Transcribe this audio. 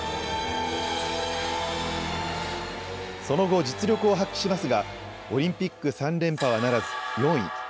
その後、実力を発揮しますがオリンピック３連覇はならず４位。